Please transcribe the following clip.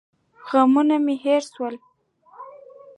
غمونه مې هېر سول.